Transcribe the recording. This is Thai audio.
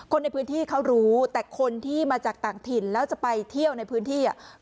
คนในพื้นที่เขารู้แต่คนที่มาจากต่างถิ่นแล้วจะไปเที่ยวในพื้นที่อ่ะ